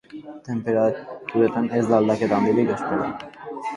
Tenperaturetan ez da aldaketa handirik espero.